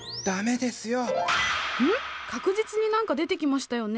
確実に何か出てきましたよね？